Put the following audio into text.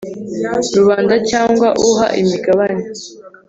rubanda cyangwa uha imigabane